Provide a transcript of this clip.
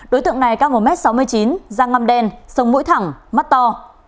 đối tượng này cao một m sáu mươi chín da ngăm đen sông mũi thẳng mắt to